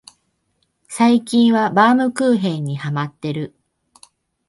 最近はバウムクーヘンにハマってる